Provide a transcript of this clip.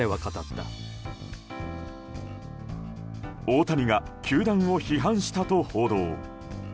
大谷が球団を批判したと報道。